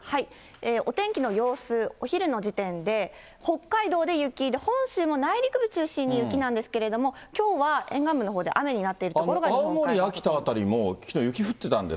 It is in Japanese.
お天気の様子、お昼の時点で、北海道で雪、本州も内陸部中心に雪なんですけれども、きょうは沿岸部のほうで雨になっている所があります。